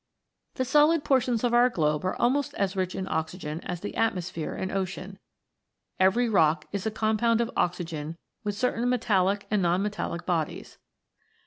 The solid portions of our globe are almost as rich in oxygen as the atmosphere and ocean. Every rock is a compound of oxygen with certain metallic and non metallic bodies.